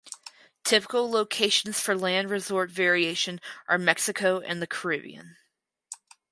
Typical locations for land resort vacation are Mexico and the Caribbean.